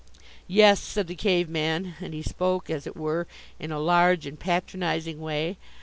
"Yes," said the Cave man, and he spoke, as it were, in a large and patronizing way.